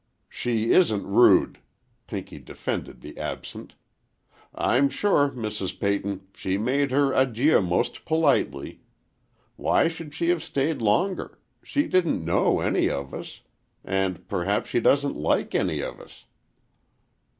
"She isn't rude," Pinky defended the absent. "I'm sure, Mrs. Peyton, she made her adieux most politely. Why should she have stayed longer? She didn't know any of us,—and, perhaps she doesn't like any of us."